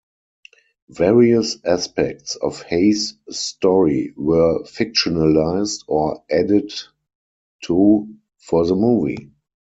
Various aspects of Hayes' story were fictionalized or added to for the movie.